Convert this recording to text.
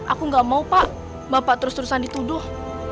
aku gak mau pak bapak terus terusan dituduh